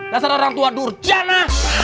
rasanya orang tua durjana